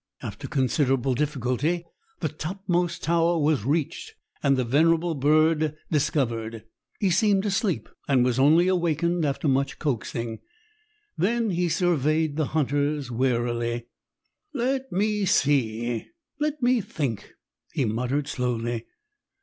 After considerable difficulty the topmost tower was reached and the venerable bird discovered. He seemed asleep and was only awakened after much coaxing. Then he surveyed the hunters warily. "Let me see, let me think," he muttered slowly.